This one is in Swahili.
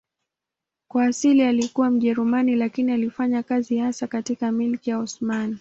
Kwa asili alikuwa Mjerumani lakini alifanya kazi hasa katika Milki ya Osmani.